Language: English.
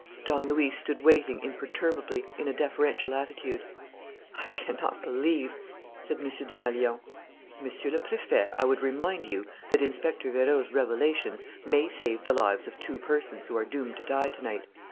Don Luis stood waiting imperturbably, in a deferential attitude. "I cannot believe " said M. Desmalions. "Monsieur le Préfet, I would remind you that Inspector Vérot's revelations may save the lives of two persons who are doomed to die to night.